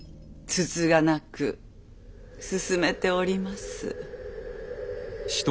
つつがなく進めております。